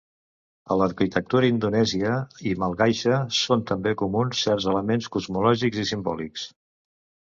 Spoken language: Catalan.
A l'arquitectura indonèsia i malgaixa són també comuns certs elements cosmològics i simbòlics.